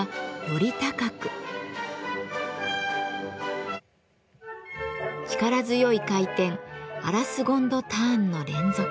力強い回転ア・ラ・スゴンド・ターンの連続。